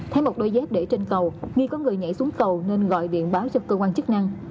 thấy một đôi dép để trên cầu nghi có người nhảy xuống cầu nên gọi điện báo cho cơ quan chức năng